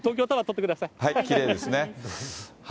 はい、きれいですね。